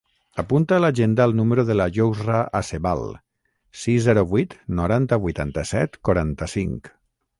Apunta a l'agenda el número de la Yousra Acebal: sis, zero, vuit, noranta, vuitanta-set, quaranta-cinc.